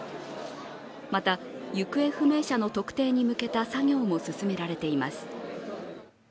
また行方不明者の特定に向けた作業も進められています。